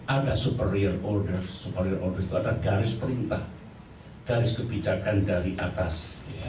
ada superior order superior order itu ada garis perintah garis kebijakan dari atas